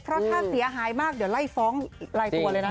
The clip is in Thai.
เพราะถ้าเสียหายมากเดี๋ยวไล่ฟ้องลายตัวเลยนะ